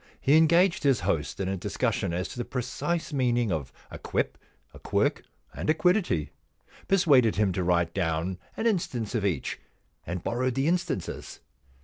He engaged his host in a discussion as to the precise meaning of a quip, a quirk, and a quiddity, persuaded him to write down an instance of each, and borrowed the instances.